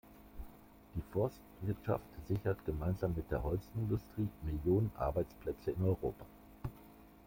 Die Forstwirtschaft sichert gemeinsam mit der Holzindustrie Millionen Arbeitsplätze in Europa.